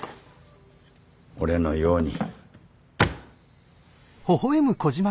俺のように。